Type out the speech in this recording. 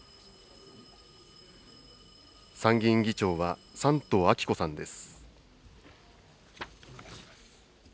参議院議長は山東昭子さんです。